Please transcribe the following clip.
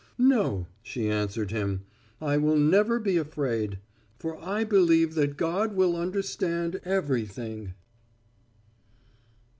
"No," she answered him, "I will never be afraid. For I believe that God will understand everything."